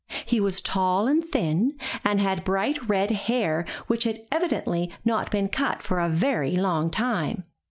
He was tall and thin and had bright red hair which had evidently not been cut for a very long time.